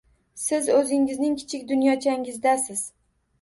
Siz o’zingizning kichik dunyochangizdasiz.